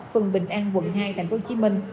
phường bình an quận hai tp hcm